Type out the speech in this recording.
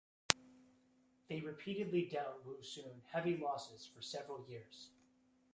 They repeatedly dealt Wusun heavy losses for several years.